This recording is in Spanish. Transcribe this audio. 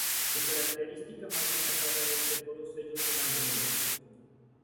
Su característica más destacada es que todos ellos eran rubios.